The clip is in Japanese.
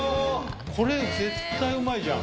これ絶対うまいじゃん。